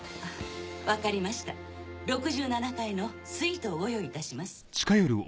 分かりました６７階のスイートをご用意いたします。